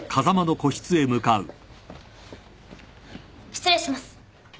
失礼します。